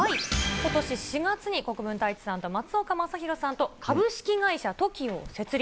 ことし４月に国分太一さんと松岡昌宏さんと株式会社ＴＯＫＩＯを設立。